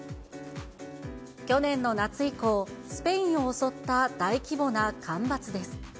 去年の夏以降、スペインを襲った大規模な干ばつです。